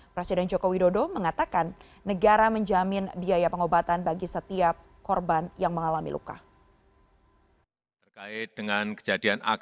presiden joko widodo mengatakan negara menjamin biaya pengobatan bagi setiap korban yang mengalami luka